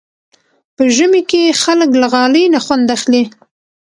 په ژمي کې خلک له غالۍ نه خوند اخلي.